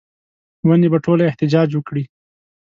ونې به ټوله احتجاج وکړي